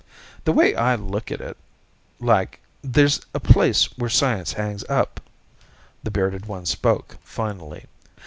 "The way I look at it, like, there's a place where science hangs up," the bearded one spoke, finally.